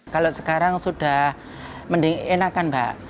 kalau sekarang sudah mending enakan mbak